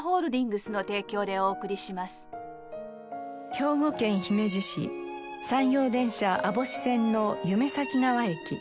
兵庫県姫路市山陽電車網干線の夢前川駅。